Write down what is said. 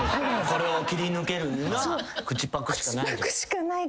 これを切り抜けるには口パクしかない。